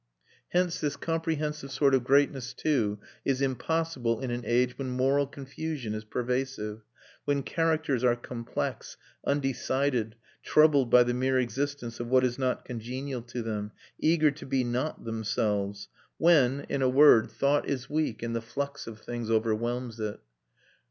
Hence this comprehensive sort of greatness too is impossible in an age when moral confusion is pervasive, when characters are complex, undecided, troubled by the mere existence of what is not congenial to them, eager to be not themselves; when, in a word, thought is weak and the flux of things overwhelms it.